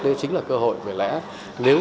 đó chính là cơ hội về lẽ